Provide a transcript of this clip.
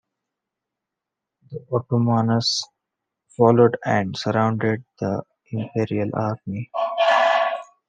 The Ottomans followed and surrounded the Imperial Army.